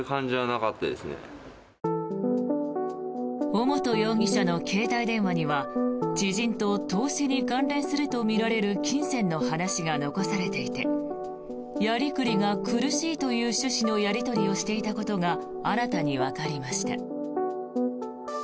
尾本容疑者の携帯電話には知人と投資に関連するとみられる金銭の話が残されていてやりくりが苦しいという趣旨のやり取りをしていたことが新たにわかりました。